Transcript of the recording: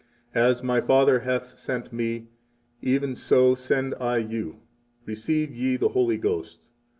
As My Father hath sent Me, even so send I you. Receive ye the Holy Ghost.